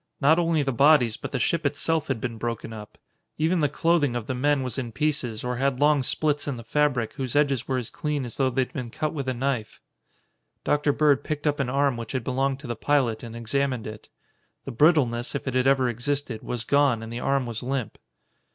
Not only the bodies, but the ship itself had been broken up. Even the clothing of the men was in pieces or had long splits in the fabric whose edges were as clean as though they had been cut with a knife. Dr. Bird picked up an arm which had belonged to the pilot and examined it. The brittleness, if it had ever existed, was gone and the arm was limp.